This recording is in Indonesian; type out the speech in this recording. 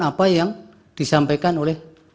apa yang disampaikan oleh